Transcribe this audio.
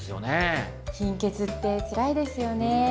貧血ってつらいですよね。